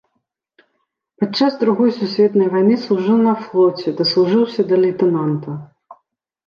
Падчас другой сусветнай вайны служыў на флоце, даслужыўся да лейтэнанта.